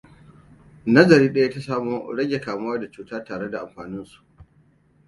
Nazari daya ta samo rage kamuwa da cuta tare da amfanin su.